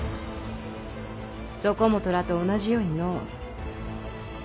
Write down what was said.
そこもとらと同じようにの。